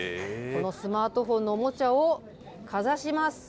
このスマートフォンのおもちゃをかざします。